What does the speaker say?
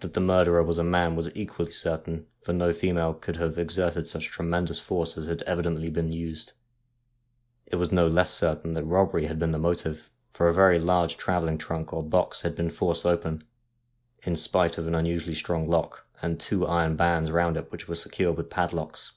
That the mur derer was a man was equally certain, for no female could have exerted such tremendous force as had evidently been used. It was no less certain that robbery had been the motive, for a very large travelling trunk or box had been forced open, in spite of an unusually strong lock, and two iron bands round it which were secured with padlocks.